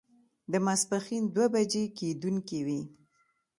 د ماسپښين دوه بجې کېدونکې وې.